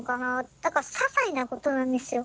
だからささいなことなんですよ